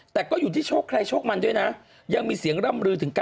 แต่ข้างล่างเหมือนเลข๘